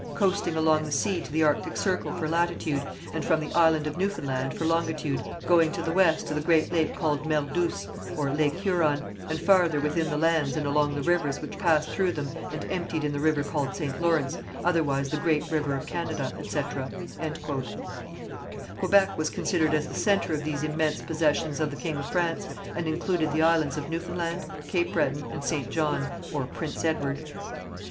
coasting along the sea to the Arctic circle for latitude, and from the Island of Newfoundland for longitude, going to the west to the great lake called Mer Douce (Lake Huron), and farther within the lands and along the rivers which passed through them and emptied in the river called St. Lawrence, otherwise the great river of Canada, etc." Quebec was considered as the centre of these immense possessions of the king of France, and included the islands of Newfoundland, Cape Breton and St. John (Prince Edward).